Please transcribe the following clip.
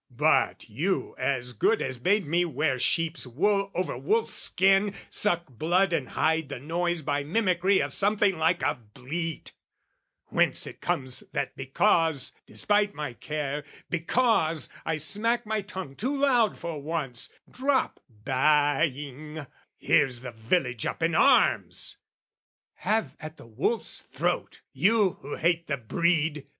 But you as good as bade me wear sheep's wool Over wolf's skin, suck blood and hide the noise By mimicry of something like a bleat, Whence it comes that because, despite my care, Because I smack my tongue too loud for once, Drop baaing, here's the village up in arms! Have at the wolf's throat, you who hate the breed!